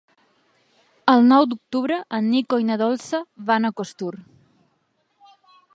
El nou d'octubre en Nico i na Dolça van a Costur.